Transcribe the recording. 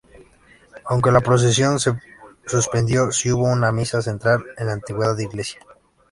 Aunque la procesión se suspendió, sí hubo una misa central en la antigua Iglesia.